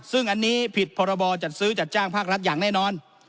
ซึ่งอันนี้ผิดพรบจัดซื้อจัดจ้างภาครัฐอย่างแน่นอน